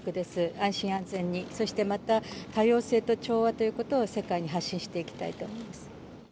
安心安全に、そしてまた、多様性と調和ということを世界に発信していきたいと思います。